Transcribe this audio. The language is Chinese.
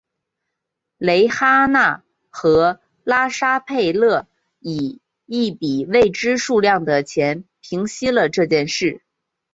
蕾哈娜和拉沙佩勒以一笔未知数量的钱平息了这件事情。